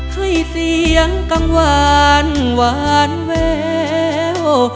ให้เสียงกังวานหวานแวว